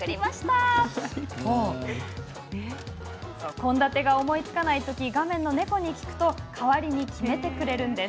献立が思いつかないとき画面の猫に聞くと代わりに決めてくれるんです。